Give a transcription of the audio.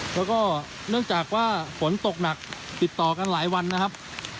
แล้วก็เนื่องจากว่าฝนตกหนักติดต่อกันหลายวันนะครับ